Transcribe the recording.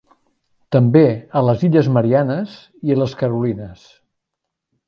També a les Illes Mariannes i les Carolines.